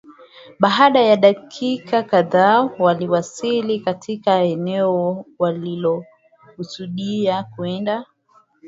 Baada ya dakika kadhaa waliwasili katika eneo walilokusudia kwenda